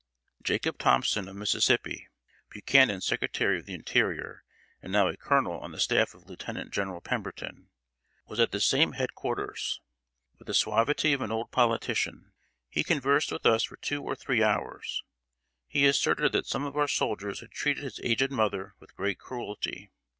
Jacob Thompson, of Mississippi, Buchanan's Secretary of the Interior, and now a colonel on the staff of Lieutenant General Pemberton, was at the same head quarters. With the suavity of an old politician, he conversed with us for two or three hours. He asserted that some of our soldiers had treated his aged mother with great cruelty.